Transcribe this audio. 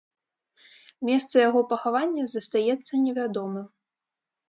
Месца яго пахавання застаецца невядомым.